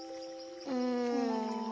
うん。